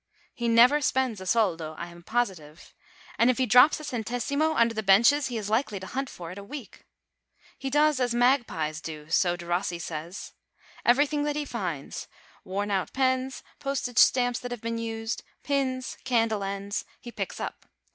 He never spends a soldo, I am positive; and if he drops a centesimo under the benches, he is likely to hunt for it a week. He does as magpies do, so Derossi says. Everything that he finds worn out pens, postage stamps that have been used, pins, candle ends he picks up.